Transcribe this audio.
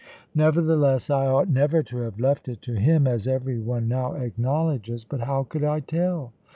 Nevertheless I ought never to have left it to Him, as every one now acknowledges. But how could I tell?